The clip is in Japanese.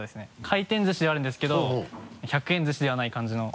回転ずしではあるんですけど１００円ずしではない感じの。